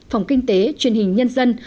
phòng kinh tế truyền hình nhân dân